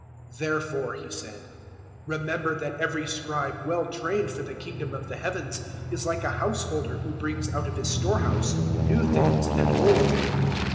013:052 "Therefore," He said, "remember that every Scribe well trained for the Kingdom of the Heavens is like a householder who brings out of his storehouse new things and old."